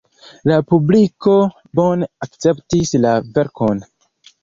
La publiko bone akceptis la verkon.